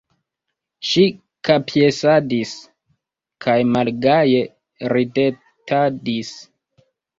Ŝi kapjesadis kaj malgaje ridetadis.